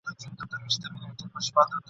چي د تاريخ په له مخه وختونو کي